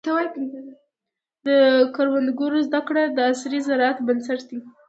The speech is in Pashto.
د کروندګرو زده کړه د عصري زراعت بنسټ دی.